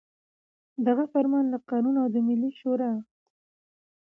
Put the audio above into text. دغه فرمان له قانون او د ملي شـوري د